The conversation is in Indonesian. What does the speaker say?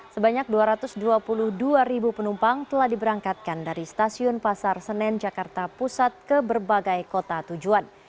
sebanyak dua ratus dua puluh dua ribu penumpang telah diberangkatkan dari stasiun pasar senen jakarta pusat ke berbagai kota tujuan